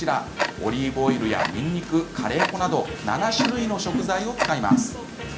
オリーブオイルやにんにくカレー粉など７種類の食材を使います。